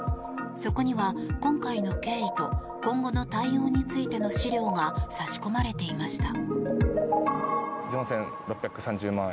そこには今回の経緯と今後の対応についての資料が差し込まれていました。